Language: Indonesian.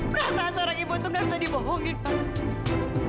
perasaan seorang ibu itu nggak bisa dibohongin pak